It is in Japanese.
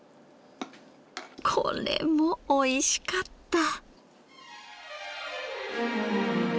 これもおいしかった。